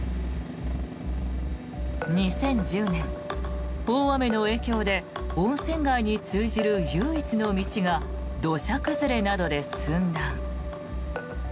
２０１０年、大雨の影響で温泉街に通じる唯一の道が土砂崩れなどで寸断。